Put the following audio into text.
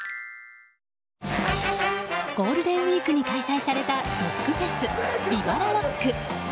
ゴールデンウィークに開催されたロックフェスＶＩＶＡＬＡＲＯＣＫ。